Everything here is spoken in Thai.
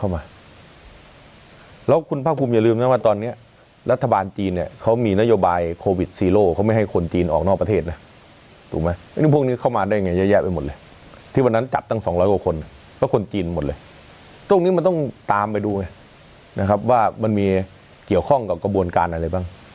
มันต้องตามไปดูไหมนะครับว่ามันมีเกี่ยวข้องกับกระบวนการอะไรบ้าง